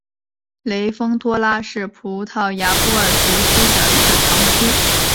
雷丰托拉是葡萄牙波尔图区的一个堂区。